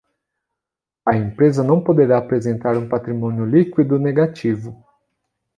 A empresa não poderá apresentar um patrimônio líquido negativo.